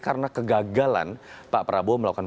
karena kegagalan pak prabowo melakukan